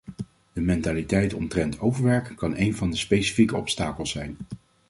De mentaliteit omtrent overwerk kan een van de specifieke obstakels zijn.